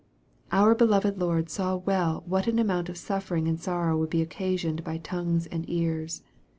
" Our beloved Lord saw well what an amount of suffering and sorrow would be occasioned by tongues and ears.